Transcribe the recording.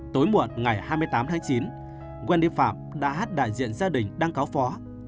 tối muộn ngày hai mươi tám tháng chín wendy phạm đã hát đại diện gia đình đang cáo phó